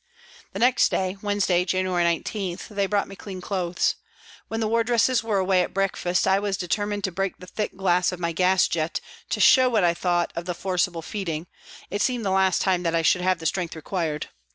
The next day, Wednesday, January 19, they brought me clean clothes. When the wardresses were away at breakfast I determined to break the thick glass of my gas jet to show what I thought of the forcible feeding, it seemed the last time that I should have the strength required.